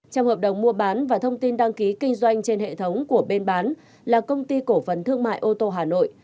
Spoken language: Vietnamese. trong hợp đồng mua bán và thông tin đăng ký kinh doanh trên hệ thống của bên bán là công ty cổ phần thương mại ô tô hà nội